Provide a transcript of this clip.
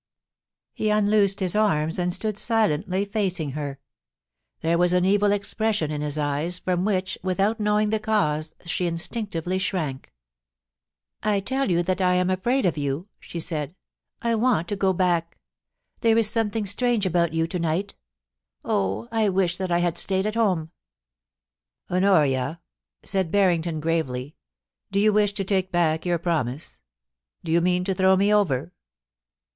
He unloosed his arms and stood silently facing her. There was an evil expression in his eyes, from which, with out knowing the cause, she instinctively shrank. ' I tell you that I am afraid of you,' she said ;* I want to go back. There is something strange about you to night Oh, I wish that I had stayed at home !'* Honoria,' said Barrington, gravely, * do you wish to take back your promise ? Do you mean to throw me over